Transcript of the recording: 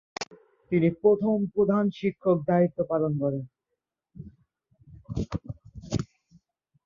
তিনি প্রথম প্রধান শিক্ষক হিসেবে দায়িত্ব পালন করেন।